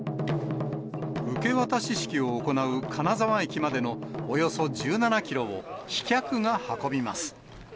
受け渡し式を行う金沢駅までのおよそ１７キロを、飛脚が運びます。